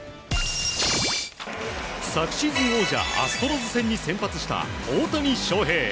昨シーズン王者アストロズ戦に先発した大谷翔平。